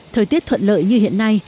thời tiết thuận lợi như hiện nay